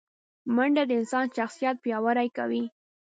منډه د انسان شخصیت پیاوړی کوي